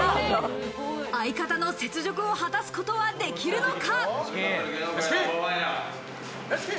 相方の雪辱を果たすことはできるのか？